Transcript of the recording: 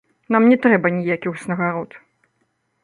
Нам не трэба ніякіх узнагарод!